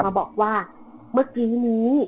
มาบอกว่าเมื่อกี้นี้